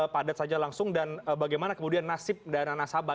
padat saja langsung dan bagaimana kemudian nasib dana nasabah